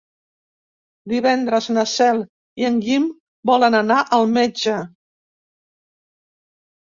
Divendres na Cel i en Guim volen anar al metge.